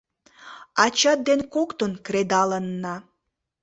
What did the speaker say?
Ачат ден коктын кредалынна.